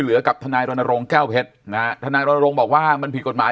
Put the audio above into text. เหลือกับทนายรณรงค์แก้วเผ็ดทนายรณรงค์บอกว่ามันผิดกฎหมาย